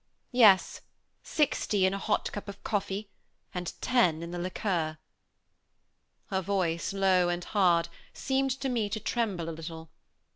"Yes; sixty in a hot cup of coffee and ten in the liqueur." Her voice, low and hard, seemed to me to tremble a little.